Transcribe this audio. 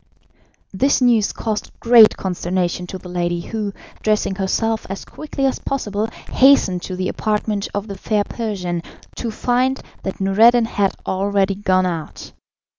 This news caused great consternation to the lady, who, dressing herself as quickly as possible, hastened to the apartment of the fair Persian, to find that Noureddin had already gone out.